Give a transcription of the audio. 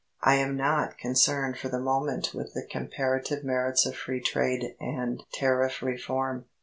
I am not concerned for the moment with the comparative merits of Free Trade and Tariff Reform.